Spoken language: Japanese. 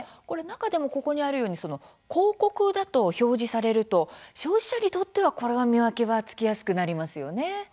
中でもここにあるように広告だと表示されると消費者にとっては、これは見分けはつけやすくなりますよね。